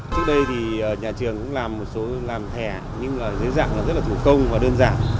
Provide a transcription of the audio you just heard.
trước đây thì nhà trường cũng làm một số thẻ nhưng dưới dạng rất là thủ công và đơn giản